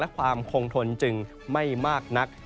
ความคงทนจึงไม่มากนัก